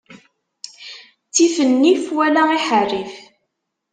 Ttif nnif wala iḥerrif.